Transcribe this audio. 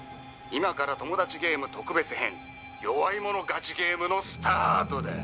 「今からトモダチゲーム特別編弱い者勝ちゲームのスタートだ！」